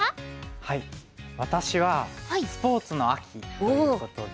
はい私はスポーツの秋ということで。